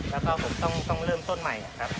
แล้วก็ผมต้องเริ่มต้นใหม่ครับ